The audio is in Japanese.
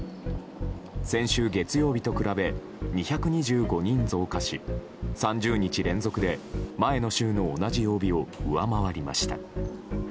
先週月曜日と比べ２２５人増加し３０日連続で前の週の同じ曜日を上回りました。